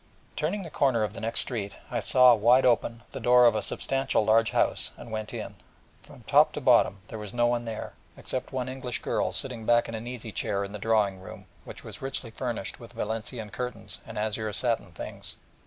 Turning the corner of the next street, I saw wide open the door of a substantial large house, and went in. From bottom to top there was no one there, except one English girl, sitting back in an easy chair in the drawing room, which was richly furnished with Valenciennes curtains and azure satin things.